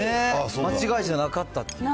間違いじゃなかったっていうね。